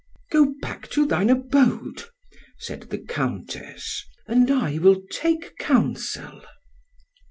"Go back to thine abode," said the Countess, "and I will take counsel."